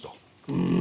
うん。